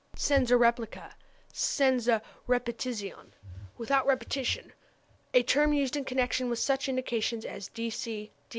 Senza replica, senza repetizione without repetition; a term used in connection with such indications as _D.